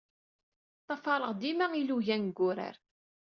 Ṭṭafareɣ dima ilugan deg urar.